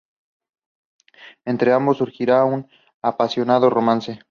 Entre ambos surgirá un apasionado romance.